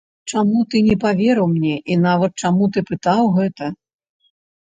Чаму ты не паверыў мне і нават чаму ты пытаў гэта?